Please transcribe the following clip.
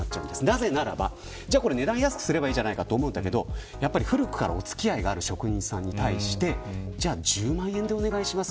なぜならば値段を安くすればいいと思いますが古くからお付き合いがある職人さんに対して、１０万円でお願いします